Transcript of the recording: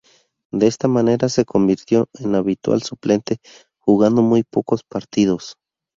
De esta manera se convirtió en habitual suplente, jugando muy pocos partidos.